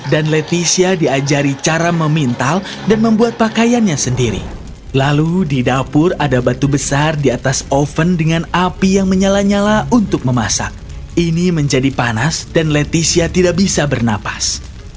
dan leticia diajari cara meminta dan membuat pakaiannya sendiri lalu di dapur ada batu besar di atas oven dengan api yang menyala nyala untuk memasak ini menjadi panas dan leticia tidak bisa bernafas